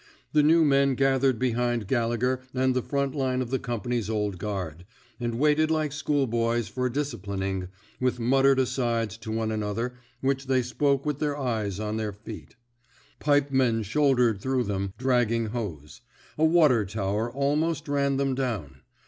The new men gathered behind Gallegher and the front line of the company's old guard, and waited like schoolboys for a disciplining, with muttered asides to one another which they spoke with their eyes on their feet. Pipemen shouldered through them, dragging hose. A water tower al most ran them down.